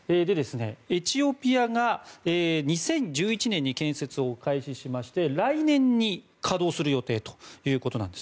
エチオピアが２０１１年に建設を開始しまして来年に稼働する予定ということです。